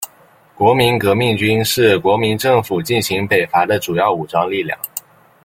国民革命军是国民政府进行北伐的主要武装力量。